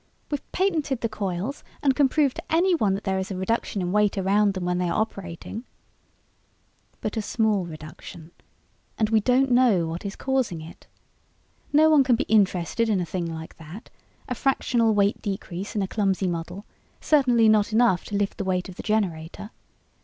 We've patented the coils and can prove to anyone that there is a reduction in weight around them when they are operating...." "But a small reduction. And we don't know what is causing it. No one can be interested in a thing like that a fractional weight decrease in a clumsy model, certainly not enough to lift the weight of the generator.